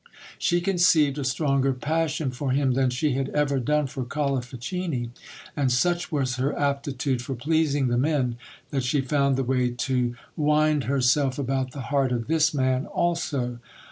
She conceived a stronger passion for him than she had ever done for Colifichini : and such was her aptitude for pleasing the men, that she found the way to wind herself about the heart of this man also.